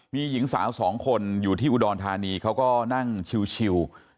มีหญิงสาวสองคนอยู่ที่อุดรธานีเขาก็นั่งชิว